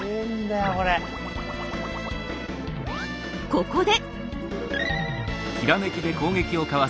ここで！